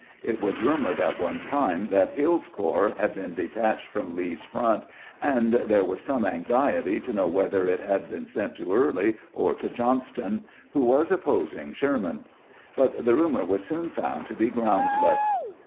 It was rumored at one time that Hill's corps had been detached from Lee's front, and there was some anxiety to know whether it had been sent to Early or to Johnston, who was opposing Sherman ; but the rumor was soon found to be ground less.